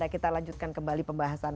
kita lanjutkan kembali pembahasan